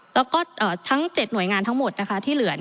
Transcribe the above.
แล้วก็ทั้ง๗หน่วยงานทั้งหมดนะคะที่เหลือ